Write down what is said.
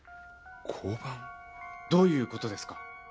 交番？どういうことですか？